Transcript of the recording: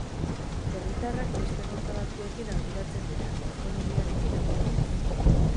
Herritarrak beste gauza batzuekin arduratzen dira, ekonomiarekin adibidez.